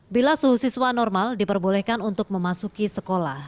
bila suhu siswa normal diperbolehkan untuk memasuki sekolah